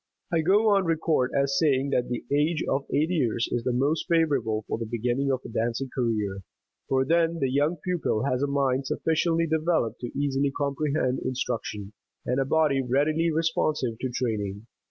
I go on record as saying that the age of eight years is the most favorable for the beginning of a dancing career, for then the young pupil has a mind sufficiently developed to easily comprehend instruction, and a body readily responsive to training.